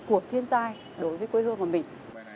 của thiên tai đối với quê hương của mình